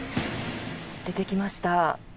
出てきました。